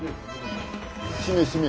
しめしめ。